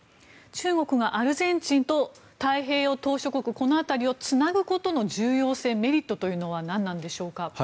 中国がアルゼンチンと太平洋島しょ国この辺りをつなぐことの重要性、メリットというのはなんでしょうか。